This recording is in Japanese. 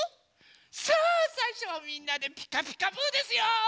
さあさいしょはみんなで「ピカピカブ！」ですよ。